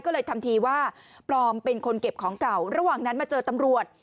ก็เลยทำทีว่าปลอมเป็นคนเก็บของเก่าระหว่างนั้นมาเจอตำรวจ